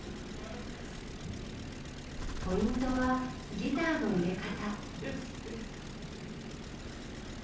ポイントはギターの入れ方。